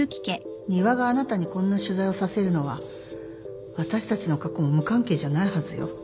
仁和があなたにこんな取材をさせるのは私たちの過去も無関係じゃないはずよ。